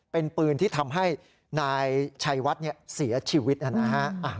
เป็นปืนที่ทำให้นายชัยวัดเสียชีวิตนะฮะ